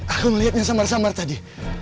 aku melihatnya samar samar tadi